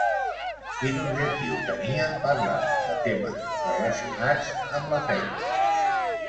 Quin objectiu tenia parlant de temes relacionats amb la feina?